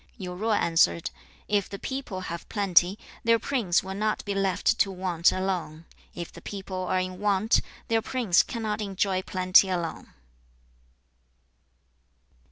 4. Yu Zo answered, 'If the people have plenty, their prince will not be left to want alone. If the people are in want, their prince cannot enjoy plenty alone.'